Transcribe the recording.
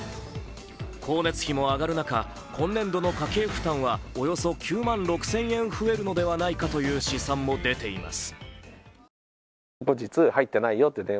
光熱費も上がる中、今年度の家計負担はおよそ９万６０００円増えるのではないかとの試算も出ています。